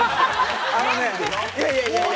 あのね、いやいやいや。